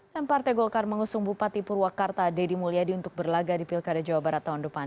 partai golkar mengusung bupati purwakarta deddy mulyadi untuk berlaga di pilkada jawa barat tahun depan